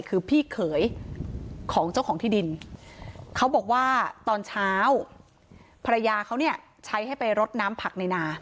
คือพี่เขยของเจ้าของที่ดินเขาบอกว่าตอนเช้าภรรยาเขาเนี่ยใช้ให้ไปรดน้ำผักในนา